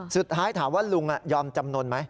สุดท้ายถามว่าลุงยอมจำนวนไหม